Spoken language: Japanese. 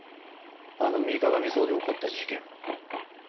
あの水鏡荘で起こった事件は。